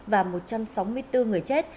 và một trăm sáu mươi bốn người chết